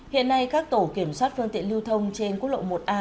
hiện nay các tổ kiểm soát phương tiện lưu thông trên quốc lộ một a